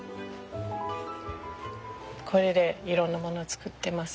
これでいろんなもの作ってます。